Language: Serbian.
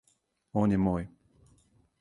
Он је мој.